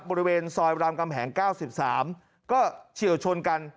บริเวณซอยรามกำแหง๙๓ก็เฉียวชนกัน